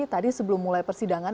tadi sebelum mulai persidangan